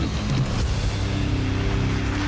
โห